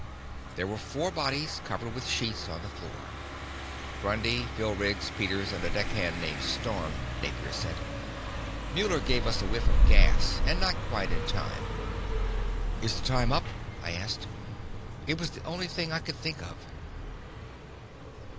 There were four bodies covered with sheets on the floor. "Grundy, Phil Riggs, Peters and a deckhand named Storm," Napier said. "Muller gave us a whiff of gas and not quite in time." "Is the time up?" I asked. It was the only thing I could think of.